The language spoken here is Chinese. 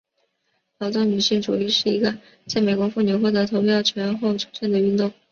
劳动女性主义是一个在美国妇女获得投票权后出现的运动。